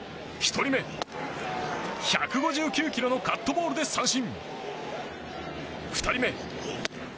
３人目、１５９キロのカットボールで三振！